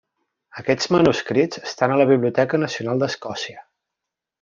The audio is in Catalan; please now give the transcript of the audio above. Aquests manuscrits estan a la Biblioteca Nacional d'Escòcia.